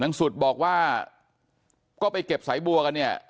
สุดบอกว่าก็ไปเก็บสายบัวกันเนี่ย